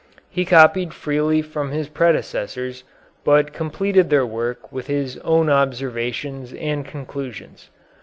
He copied freely from his predecessors, but completed their work with his own observations and conclusions.